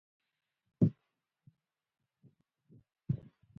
پسرلی د افغانستان په هره برخه کې موندل کېږي.